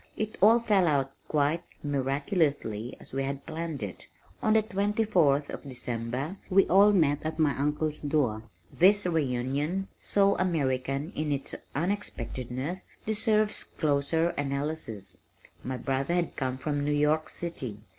It all fell out quite miraculously as we had planned it. On the 24th of December we all met at my uncle's door. This reunion, so American in its unexpectedness, deserves closer analysis. My brother had come from New York City.